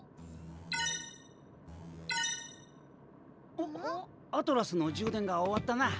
おっアトラスの充電が終わったな。